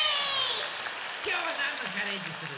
きょうはなんのチャレンジするの？